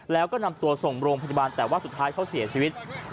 แล้วก็นำตัวส่งโรงพยาบาลแต่ว่าสุดท้ายเขาเสียชีวิต